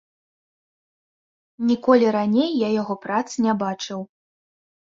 Ніколі раней я яго прац не бачыў.